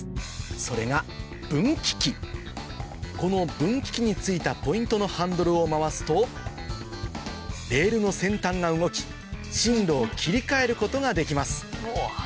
それが分岐器この分岐器に付いたポイントのハンドルを回すとレールの先端が動き進路を切り替えることができます